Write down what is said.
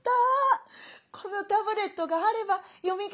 このタブレットがあれば読み書きができる！